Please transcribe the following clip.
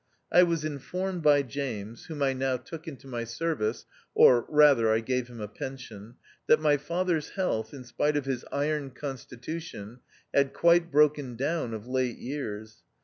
I was informed by James, whom I now took into my service (or rather I gave him a pension), that my father's health, in spite of his iron constitution, had quite broken down of late years.